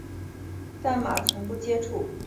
但马从不接触溪木贼。